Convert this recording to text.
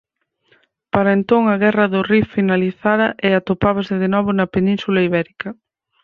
Para entón a Guerra do Rif finalizara e atopábase de novo na Península Ibérica.